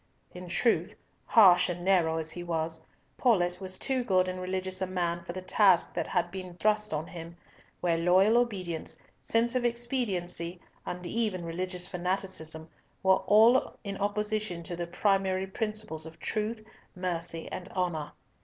In truth, harsh and narrow as he was, Paulett was too good and religious a man for the task that had been thrust on him, where loyal obedience, sense of expediency, and even religious fanaticism, were all in opposition to the primary principles of truth, mercy, and honour.